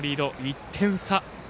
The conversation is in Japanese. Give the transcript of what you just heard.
１点差。